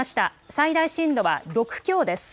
最大震度は６強です。